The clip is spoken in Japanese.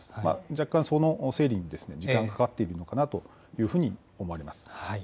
若干、その整理に時間がかかっているのかなというふうに思われます。